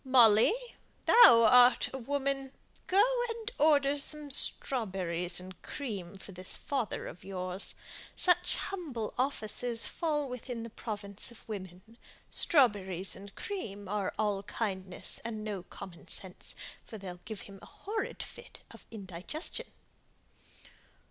Molly, thou art a woman! Go and order some strawberries and cream for this father of yours. Such humble offices fall within the province of women. Strawberries and cream are all kindness and no common sense, for they'll give him a horrid fit of indigestion."